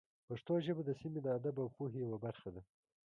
پښتو ژبه د سیمې د ادب او پوهې یوه برخه ده.